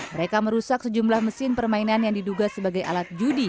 mereka merusak sejumlah mesin permainan yang diduga sebagai alat judi